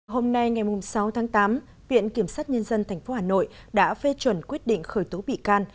hôm nay ngày sáu tháng tám viện kiểm sát nhân dân tp hà nội đã phê chuẩn quyết định khởi tố bị can